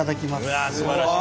うわすばらしい。